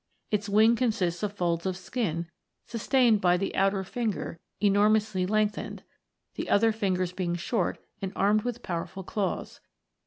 Its wing consists of folds of skin, sustained by the outer finger enormously lengthened ; the other fingers being short and armed with powerful claws.